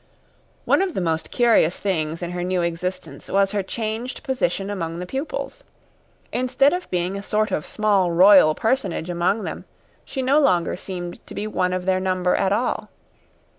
One of the most curious things in her new existence was her changed position among the pupils. Instead of being a sort of small royal personage among them, she no longer seemed to be one of their number at all.